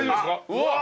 うわっ！